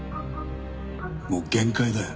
もう限界だよ。